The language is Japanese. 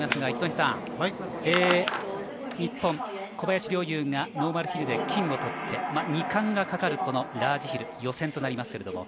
一戸さん、日本、小林陵侑がノーマルヒルで金を取って、２冠がかかる、このラージヒル予選となります。